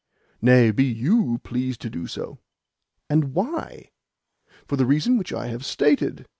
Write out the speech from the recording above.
"Nay; be YOU pleased to do so." "And why?" "For the reason which I have stated."